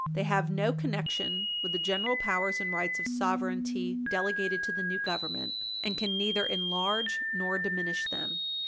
They have no connection with the general powers and rights of sovereignty delegated to the new Government, and can neither enlarge nor diminish them.